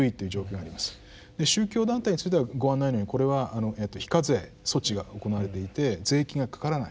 宗教団体についてはご案内のようにこれは非課税措置が行われていて税金がかからない。